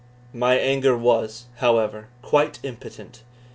My anger was, however, quite impotent.